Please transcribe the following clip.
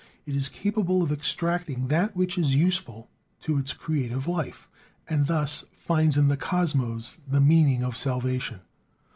It is capable of extracting that which is useful to its creative life, and thus finds in the cosmos the means of salvation.